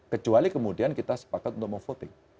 kecuali kemudian kita sepakat untuk mau voting